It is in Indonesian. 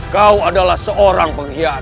kau adalah seorang pengkhianat